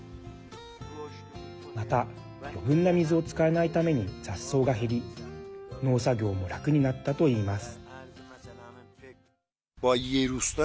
また、余分な水を使わないために雑草が減り農作業も楽になったといいます。